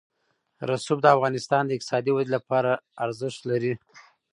رسوب د افغانستان د اقتصادي ودې لپاره ارزښت لري.